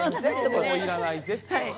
もういらないぜ。